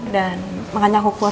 dan makanya aku keluar